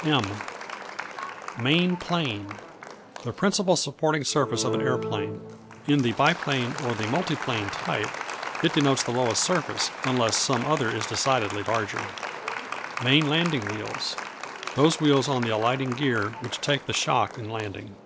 M Main Plane The principal supporting surface of an aeroplane. In the biplane, or the multiplane type, it denotes the lowest surface, unless some other is decidedly larger. Main Landing Wheels Those wheels on the alighting gear which take the shock in landing.